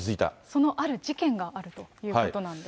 そのある事件があるということなんです。